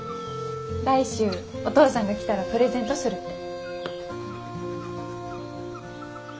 来週お父さんが来たらプレゼントするって。